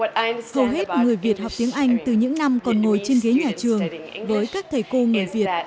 hầu hết người việt học tiếng anh từ những năm còn ngồi trên ghế nhà trường với các thầy cô nghề việt